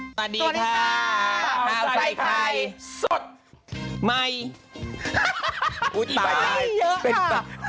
สวัสดีค่ะเราใส่ไทยสุดไม่เยอะค่ะ